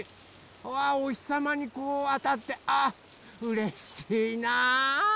うわおひさまにこうあたってあうれしいな。